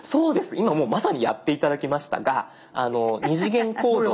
今もうまさにやって頂きましたが二次元コードを。